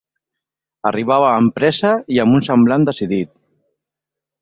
Arribava amb pressa i amb un semblant decidit.